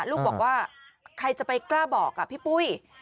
ลูกบอกว่าใครจะไปกล้าบอกพี่ปุ้ย